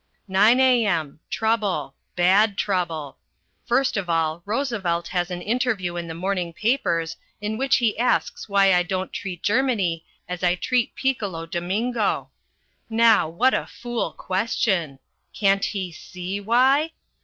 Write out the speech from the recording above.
9 a.m. Trouble, bad trouble. First of all Roosevelt has an interview in the morning papers in which he asks why I don't treat Germany as I treat Piccolo Domingo. Now, what a fool question! Can't he see why?